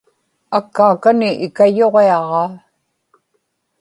akkaakani ikayuġiaġaa